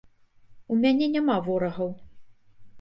У мяне няма ворагаў.